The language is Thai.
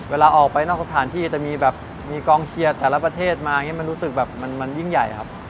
เวลาออกไปนอกทางการที่จะมีกองเชียร์แต่ละประเทศมามันรู้สึกแบบมันยิ่งใหญ่ครับ